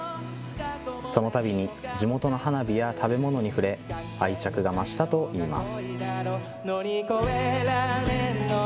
そのたびに地元の花火や食べ物に触れ、愛着が増したといいます。